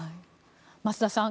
増田さん